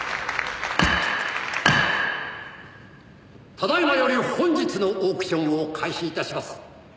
「ただ今より本日のオークションを開始致します」